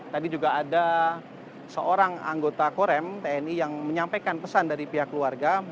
tadi juga ada seorang anggota korem tni yang menyampaikan pesan dari pihak keluarga